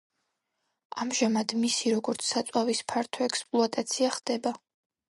ამჟამად მისი, როგორც საწვავის ფართო ექსპლუატაცია ხდება.